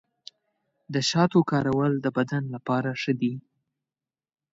د شاتو کارول د بدن لپاره ښه دي.